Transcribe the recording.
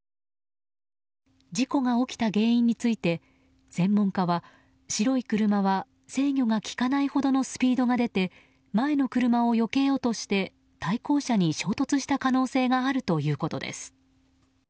事故が起きた原因について専門家は白い車は制御が効かないほどのスピードが出て前の車をよけようとして対向車に衝突した可能性があるということです。